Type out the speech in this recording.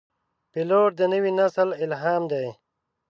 پیلوټ د نوي نسل الهام دی.